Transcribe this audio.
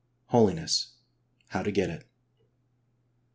Holiness: How to Get It.